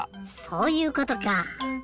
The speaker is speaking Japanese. そういうことか。